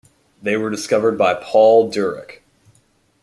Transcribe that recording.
They were discovered by Paul Dirac.